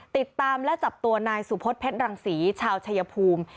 ติดตามและจับตัวนายสุพศเพชรรังศรีชาวชายภูมิ